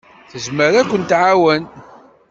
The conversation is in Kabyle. Tezmer ad kent-tɛawen.